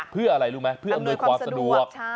เพื่ออะไรรู้ไหมเพื่ออำนวยความสะดวก